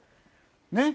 ねっ？